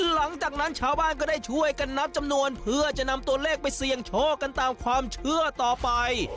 หลังจากนั้นชาวบ้านก็ได้ช่วยกันนับจำนวนเพื่อจะนำตัวเลขไปเสี่ยงโชคกันตามความเชื่อต่อไป